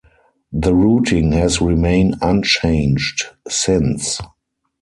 The routing has remain unchanged since.